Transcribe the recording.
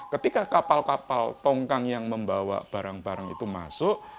ketika kapal kapal tongkang yang membawa barang barang itu masuk